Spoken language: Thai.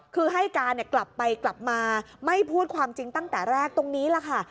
คือให้การกลับไปกลับมาไม่พูดความจริงตั้งแต่แรกตรงนี้แหละค่ะ